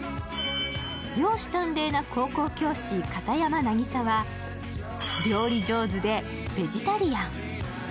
容姿端麗な高校教師、片山渚は料理上手でベジタリアン。